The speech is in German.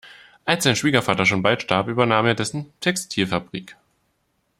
Als sein Schwiegervater schon bald starb, übernahm er dessen Textilfabrik.